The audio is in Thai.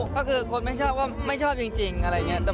ก็คือคนไม่ชอบก็ไม่ชอบจริงอะไรอย่างนี้